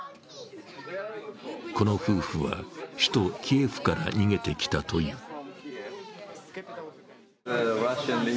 この夫婦は首都キエフから逃げてきたという。